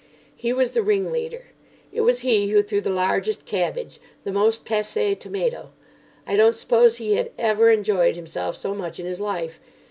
He was the ringleader. It was he who threw the largest cabbage, the most passé tomato. I don't suppose he had ever enjoyed himself so much in his life.